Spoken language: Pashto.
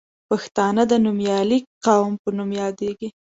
پښتانه د نومیالي قوم په نوم یادیږي.